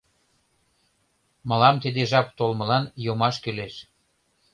Мылам тиде жап толмылан йомаш кӱлеш...